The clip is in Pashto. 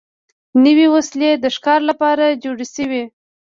نوې وسلې د ښکار لپاره جوړې شوې.